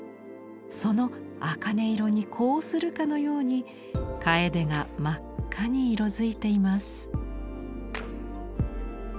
そのあかね色に呼応するかのようにかえでが真っ赤に色づいています。